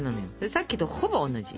さっきとほぼ同じ。